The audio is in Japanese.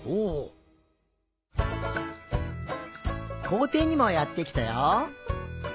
こうていにもやってきたよ。